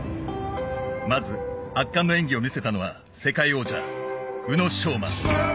まず圧巻の演技を見せたのは世界王者宇野昌磨。